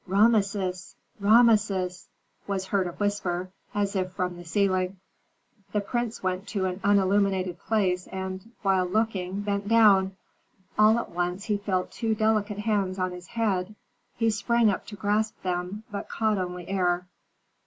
"Rameses! Rameses!" was heard a whisper, as if from the ceiling. The prince went to an unilluminated place and, while looking, bent down. All at once he felt two delicate hands on his head. He sprang up to grasp them, but caught only air.